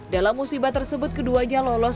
dalam musibah tersebut keduanya lolos